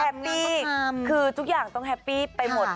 คือทุกอย่างต้องแฮปปี้ไปหมด